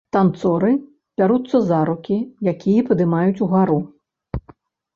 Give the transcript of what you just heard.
Танцоры бяруцца за рукі, якія паднімаюць угару.